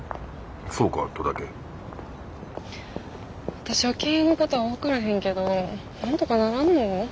私は経営のことは分からへんけどなんとかならんの？